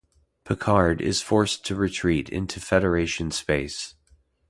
Picard is forced to retreat into Federation space.